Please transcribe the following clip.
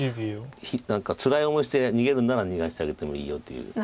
何かつらい思いをして逃げるんなら逃がしてあげてもいいよという。